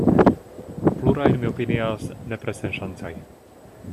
Plurajn mi opinias nepre senŝancaj.